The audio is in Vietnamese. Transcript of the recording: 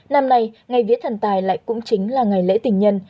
năm nay ngày vía thần tài lại cũng chính là ngày lễ tình nhân